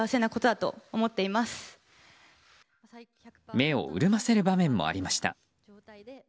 目を潤ませる場面もありました。